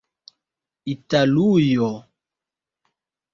italujo